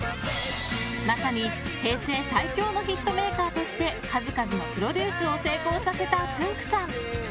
まさに平成最強のヒットメーカーとして数々のプロデュースを成功させた、つんく♂さん。